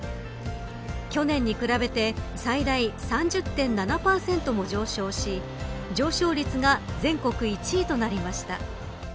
去年に比べて最大３０．７％も上昇し上昇率が全国１位となりました。